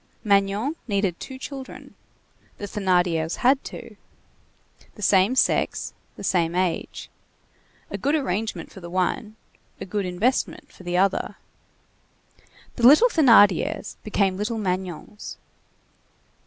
Magnon needed two children; the Thénardiers had two. The same sex, the same age. A good arrangement for the one, a good investment for the other. The little Thénardiers became little Magnons.